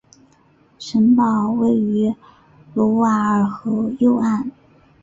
城堡位于卢瓦尔河右岸。